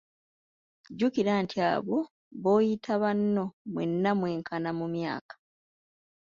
Jjukira nti abo b'oyita banno mwenna mwenkana mu myaka.